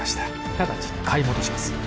ただちに買い戻します